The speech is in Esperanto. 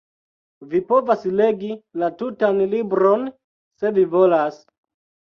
Vi povas legi la tutan libron se vi volas.